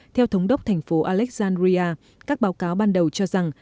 theo thống đốc thành phố alexandria các báo cáo ban đầu cho rằng